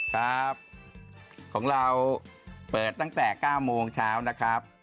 ครับของเราเปิดตั้งแต่๙โมงเช้านะครับ